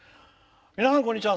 皆さん、こんばんは。